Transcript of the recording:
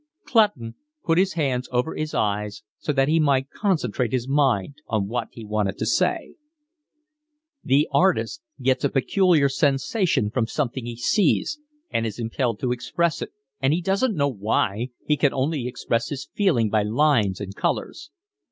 Clutton put his hands over his eyes so that he might concentrate his mind on what he wanted to say. "The artist gets a peculiar sensation from something he sees, and is impelled to express it and, he doesn't know why, he can only express his feeling by lines and colours.